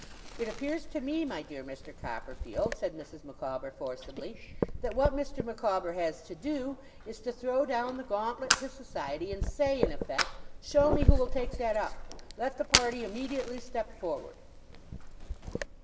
It appears to me, my dear Mr. Copperfield,' said Mrs. Micawber, forcibly, 'that what Mr. Micawber has to do, is to throw down the gauntlet to society, and say, in effect, "Show me who will take that up. Let the party immediately step forward."